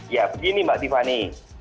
ya begini mbak divani